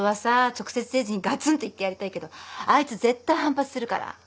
直接誠治にがつんと言ってやりたいけどあいつ絶対反発するから。